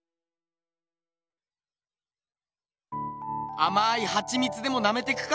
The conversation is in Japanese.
あまいハチミツでもなめてくか？